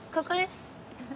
ここです。